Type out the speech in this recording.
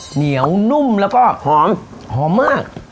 เหนียวนุ่มแล้วก็หอมหอมมาก